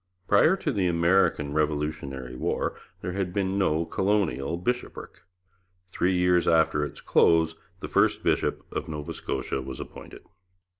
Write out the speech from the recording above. Prior to the American Revolutionary War there had been no colonial bishopric; three years after its close the first bishop of Nova Scotia was appointed.